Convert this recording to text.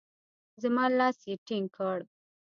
زما لاس يې ټينګ کړ.